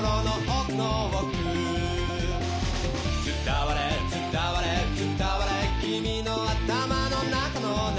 「伝われ伝われ伝われ君の頭の中の中」